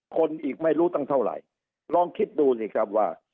คนอีกไม่รู้ตั้งเท่าไหร่ลองคิดดูสิครับว่า